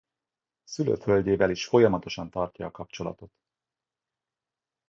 Szülőföldjével is folyamatosan tartja a kapcsolatot.